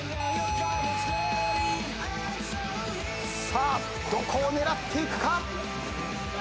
さあどこを狙っていくか。